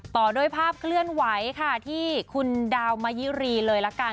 ต่อด้วยภาพเคลื่อนไหวค่ะที่คุณดาวมายุรีเลยละกัน